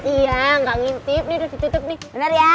iya gak ngintip nih udah ditutup nih